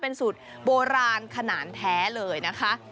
เป็นสูตรโบราณขนาดแท้เลยนะคะ